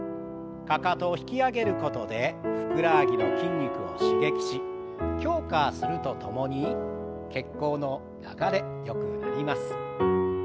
かかとを引き上げることでふくらはぎの筋肉を刺激し強化するとともに血行の流れよくなります。